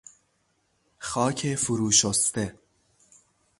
خاک فرو شسته